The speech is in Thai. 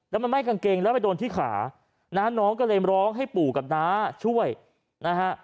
แล้วมันไหม้กางเกงแล้วไปโดนที่ขานะน้องก็เลยร้องให้ปู่กับน้าช่วยนะฮะ